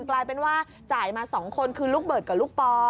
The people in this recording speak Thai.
กลายเป็นว่าจ่ายมา๒คนคือลูกเบิร์ตกับลูกปอ